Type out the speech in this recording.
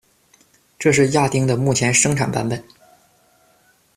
这是「亚丁」的目前生产版本。